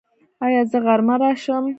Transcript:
ایا زه غرمه راشم؟